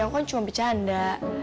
aku kan cuma bercanda